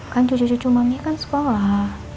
kan cucu cucu mami kan sekolah